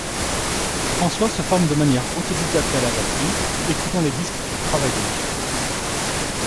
François se forme de manière autodidacte à la batterie écoutant les disques pour travailler.